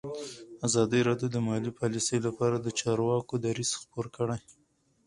ازادي راډیو د مالي پالیسي لپاره د چارواکو دریځ خپور کړی.